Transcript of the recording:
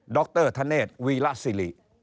ดรทะเนธวีละซิริ